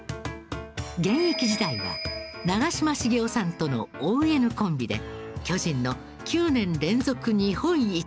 現役時代は長嶋茂雄さんとのＯＮコンビで巨人の９年連続日本一